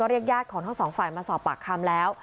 เรียกญาติของทั้งสองฝ่ายมาสอบปากคำแล้ว